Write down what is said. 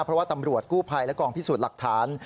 เพราะว่าตำรวจกู้ภัยและกองพิสูจน์หลักฐาน